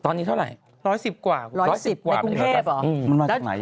ตอนนี้เท่าไหร่